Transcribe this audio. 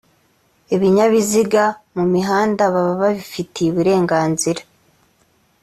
ibinyabiziga mu mihanda baba babifitiye uburenganzira